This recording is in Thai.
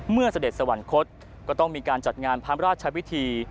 เสด็จสวรรคตก็ต้องมีการจัดงานพระราชวิธี